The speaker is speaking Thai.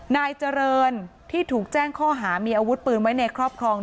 นายเจริญที่ถูกแจ้งข้อหามีอาวุธปืนไว้ในครอบครอง